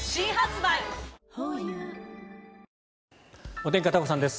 お天気、片岡さんです。